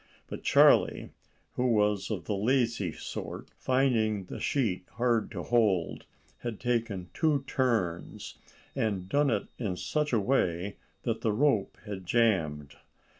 But Charlie, who was of the lazy sort, finding the sheet hard to hold, had taken two turns, and done it in such a way that the rope had jammed.